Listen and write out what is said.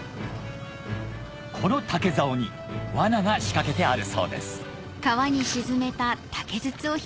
この竹竿にわなが仕掛けてあるそうです